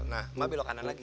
nah ma belok kanan lagi